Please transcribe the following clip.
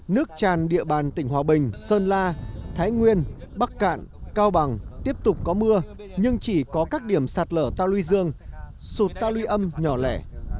nước tràn địa bàn tỉnh hòa bình sơn la thái nguyên bắc cạn cao bằng tiếp tục có mưa nhưng chỉ có các điểm sạt lở ta luy dương sụt tali âm nhỏ lẻ